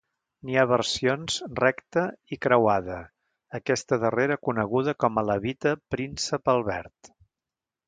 N'hi ha versions recta i creuada, aquesta darrera coneguda com a levita príncep Albert.